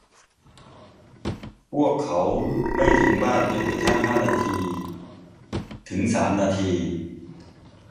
พวกเขาไม่ถึงบ้านจนกระทั่งห้านาทีถึงสามนาที